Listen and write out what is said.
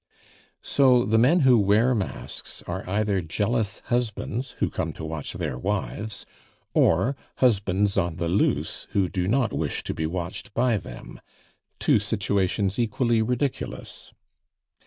So the men who wear masks are either jealous husbands who come to watch their wives, or husbands on the loose who do not wish to be watched by them two situations equally ridiculous.